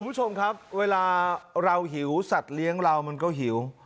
คุณผู้ชมครับเวลาเราหิวสัตว์เลี้ยงเรามันก็หิว